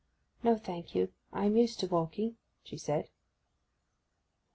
'No thank you—I am used to walking,' she said.